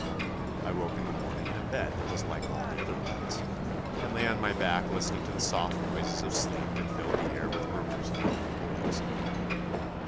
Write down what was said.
I woke in the morning in a bed that was like all the other beds, and lay on my back listening to the soft noises of sleep that filled the air with rumours of healthy boys.